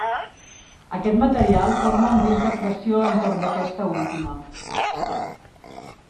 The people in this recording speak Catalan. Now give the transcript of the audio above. Aquest material forma un disc d'acreció entorn d'aquesta última.